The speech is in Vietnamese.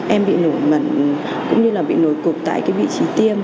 em bị nổi mẩn cũng như là bị nổi cục tại vị trí tiêm